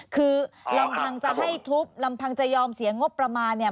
คือลำพังจะให้ทุบลำพังจะยอมเสียงบประมาณเนี่ย